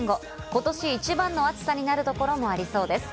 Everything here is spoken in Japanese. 今年一番の暑さになるところもありそうです。